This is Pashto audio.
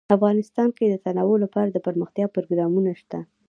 افغانستان کې د تنوع لپاره دپرمختیا پروګرامونه شته.